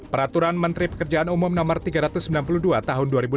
peraturan menteri pekerjaan umum no tiga ratus sembilan puluh dua tahun dua ribu lima belas